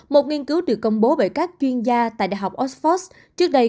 một nghiên cứu được công bố bởi các chuyên gia tại đại học oxford trước đây